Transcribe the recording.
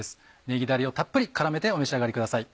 ねぎだれをたっぷり絡めてお召し上がりください。